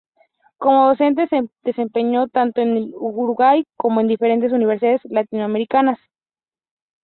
Como docente se desempeñó tanto en el Uruguay como en diferentes Universidades Latinoamericanas.